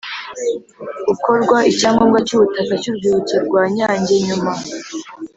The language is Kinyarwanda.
gukorwa icyangombwa cy ubutaka cy urwibutso rwa Nyange nyuma